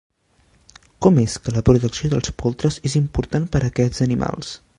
Com és que la protecció dels poltres és important per aquests animals?